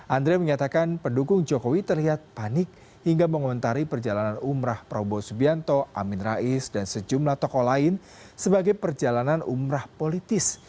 andre menyatakan pendukung jokowi terlihat panik hingga mengomentari perjalanan umrah prabowo subianto amin rais dan sejumlah tokoh lain sebagai perjalanan umrah politis